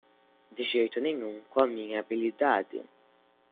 De jeito nenhum com minha habilidade